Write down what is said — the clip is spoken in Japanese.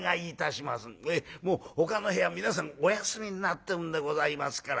もうほかの部屋皆さんおやすみになってるんでございますから。